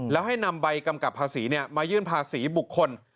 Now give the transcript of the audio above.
แล้วให้นำใบกำกับภาษีมายื่นภาษีบุคคล